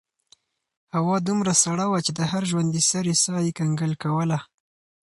هوا دومره سړه وه چې د هر ژوندي سري ساه یې کنګل کوله.